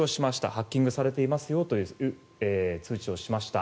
ハッキングされていますよという通知をしました。